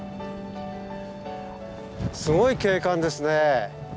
すごい景観ですね。